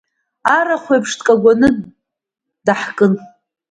Арахә еиԥш, дкагәаны даҳкын.